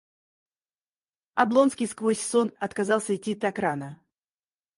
Облонский сквозь сон отказался итти так рано.